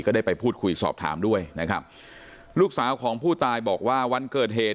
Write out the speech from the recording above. ได้ไปพูดคุยสอบถามด้วยนะครับลูกสาวของผู้ตายบอกว่าวันเกิดเหตุ